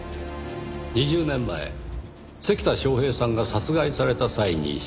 ２０年前関田昌平さんが殺害された際に使用された凶器